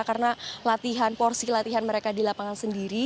karena latihan porsi latihan mereka di lapangan sendiri